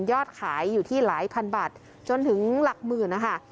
ยอดขายอยู่ที่หลายพันบาทจนถึงหลักหมื่นนะคะ